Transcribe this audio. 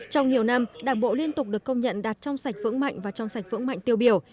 trong nhiều năm đảng bộ liên tục được công nhận đạt trong sạch vững mạnh và trong sạch vững mạnh tiêu biểu